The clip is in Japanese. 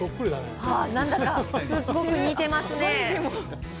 何だかすごく似てますね。